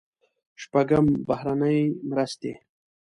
شپږم: بهرنۍ مرستې.